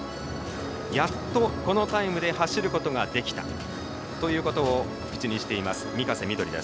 やっと、このタイムで走ることができたということを口にしています、御家瀬緑。